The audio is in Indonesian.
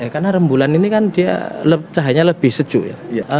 karena rembulan ini kan dia cahayanya lebih sejuk ya